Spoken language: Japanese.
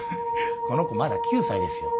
この子まだ９歳ですよ